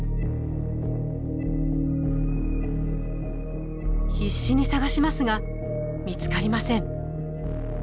必死に探しますが見つかりません。